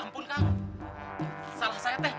ampun kang salah saya teh